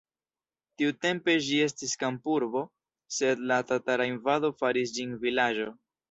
Tiutempe ĝi estis kampurbo, sed la tatara invado faris ĝin vilaĝo.